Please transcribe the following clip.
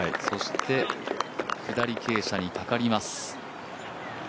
そして左傾斜にかかります。